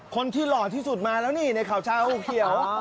คนที่หล่อที่สุดมาแล้วนี่ในขาวชาวอูเขียว